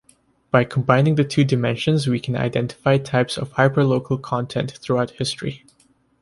By combining the two dimensions we can identify types of hyperlocal content throughout history.